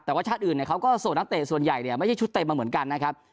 แต่ว่าชาติอื่นเขาก็ส่งนักเตะส่วนใหญ่เนี่ยไม่ใช่ชุดเตะมาเหมือนกันนะครับ